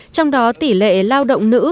trong đó tỷ lệ lao động nữ